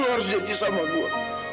lu harus jagi sama gua